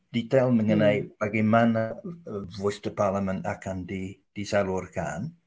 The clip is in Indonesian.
detail mengenai bagaimana voice to parliament akan disalurkan